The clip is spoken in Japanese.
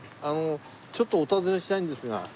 あのちょっとお尋ねしたいんですが。